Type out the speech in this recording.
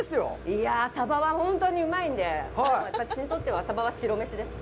いや、サバは本当にうまいんで、私にとっては、サバの白飯です。